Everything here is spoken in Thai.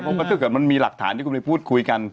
เพราะมันมีหลักฐานที่คุณไปพูดคุยกัน